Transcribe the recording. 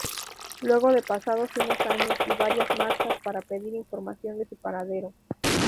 Luego de pasados unos años y varias marchas para pedir información de su paradero.